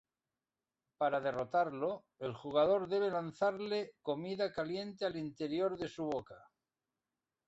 Para derrotarlo, el jugador debe lanzarle comida caliente al interior de su boca.